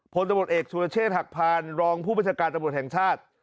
พลตำรวจเอกสุรเชษฐหักพานรองผู้บัญชาการตำรวจแห่งชาติ